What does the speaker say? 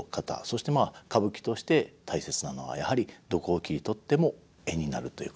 そしてまあ歌舞伎として大切なのはやはりどこを切り取っても絵になるということですか。